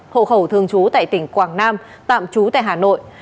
hộ khẩu thường trú tại tỉnh quảng nam tạm trú tại hà nội